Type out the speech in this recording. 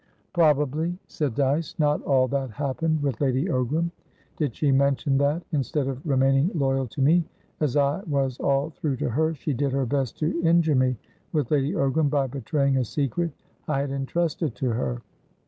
"Probably," said Dyce, "not all that happened with Lady Ogram. Did she mention that, instead of remaining loyal to me, as I was all through to her, she did her best to injure me with Lady Ogram by betraying a secret I had entrusted to her?"